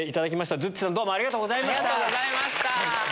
ズッチさん、どうもありがとうごありがとうございました。